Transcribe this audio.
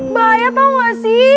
bahaya tau gak sih